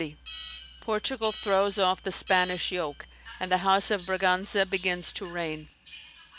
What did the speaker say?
Portugal throws off the Spanish yoke: and the House of Braganza begins to reign.